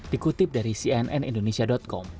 dikutip dari cnn indonesia com